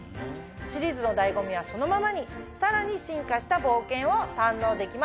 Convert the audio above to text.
シリーズの醍醐味はそのままにさらに進化した冒険を堪能できます。